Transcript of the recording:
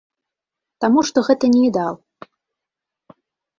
Таму што гэта не ідал.